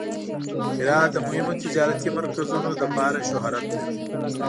هرات د مهمو تجارتي مرکزونو لپاره شهرت لري.